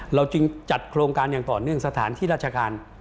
เราจึงจัดโครงการอย่างต่อเนื่องสถานที่ราชการ